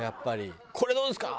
あれどうですか？